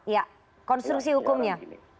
ya konstruksi hukumnya